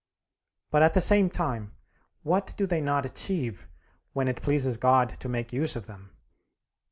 But at the same time, what do they not achieve when it pleases God to make use of them!